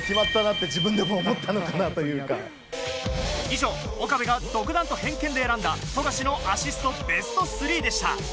以上、岡部が独断と偏見で選んだ富樫のアシストベスト３でした。